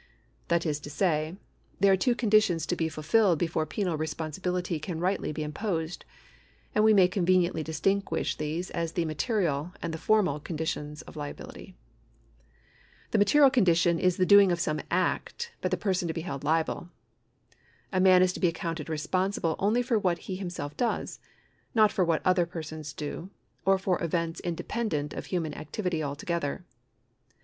That is to say, there are two conditions to be fulfilled before penal responsibility can rightly be imposed, and we may convenientlydistinguish these as the material and the formal conditions of liability. The material condition is the doing of some act by the person to be held liable. A man is to be accounted responsible only for what he himself does, not for what other persons do, or for events independent of human activity altogether.